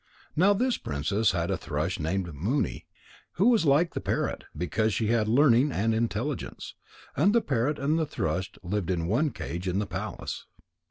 Now this princess had a thrush named Moony, who was like the parrot, because she had learning and intelligence. And the parrot and the thrush lived in one cage in the palace.